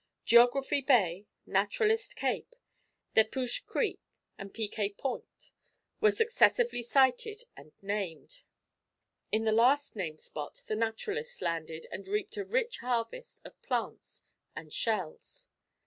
Geography Bay, Naturalist Cape, Depuch Creek, and Piquet Point, were successively sighted and named. In the last named spot the naturalists landed, and reaped a rich harvest of plants and shells.